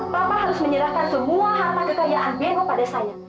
papa harus menyerahkan semua harta kekayaan bengok pada saya